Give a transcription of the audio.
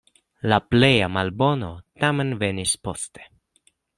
La pleja malbono tamen venis poste.